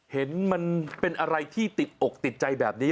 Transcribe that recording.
เห็นมันเป็นอะไรที่ติดอกติดใจแบบนี้